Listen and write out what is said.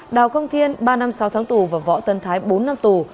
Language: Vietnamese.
đào công thiên ba năm sáu tháng tù và võ tân thái bốn năm tù